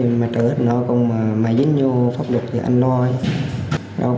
mà trở hết nói không mà dính vô pháp luật thì anh lo chứ